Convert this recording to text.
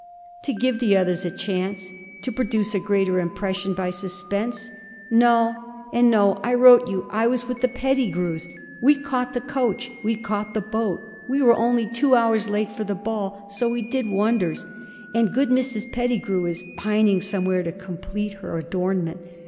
'To give the others a chance? To produce a greater impression by suspense? No and no. I wrote you I was with the Pettigrews. We caught the coach, we caught the boat, we were only two hours late for the Ball; so we did wonders. And good Mrs. Pettigrew is, pining somewhere to complete her adornment.